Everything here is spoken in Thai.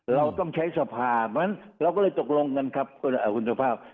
เราต้องใช้สภาเพราะฉะนั้นเราก็เลยตกลงกันครับคุณสุภาพ